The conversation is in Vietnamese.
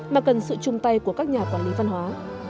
mà cần sự chung tay của các nhà quản lý văn hóa